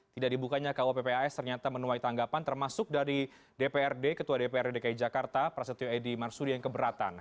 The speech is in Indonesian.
tidak dibukanya kuappas ternyata menuai tanggapan termasuk dari dprd ketua dprd dki jakarta prasetyo edy marsudi yang keberatan